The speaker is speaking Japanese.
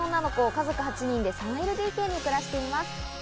家族８人で３ＬＤＫに暮らしています。